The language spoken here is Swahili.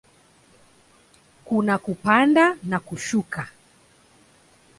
Kuna kupanda na kushuka.